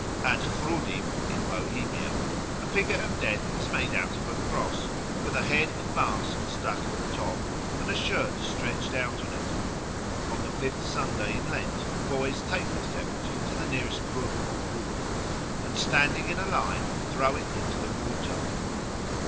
At Chrudim, in Bohemia, the figure of Death is made out of a cross, with a head and mask stuck at the top, and a shirt stretched out on it. On the fifth Sunday in Lent the boys take this effigy to the nearest brook or pool, and standing in a line throw it into the water.